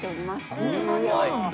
こんなにあるんだ。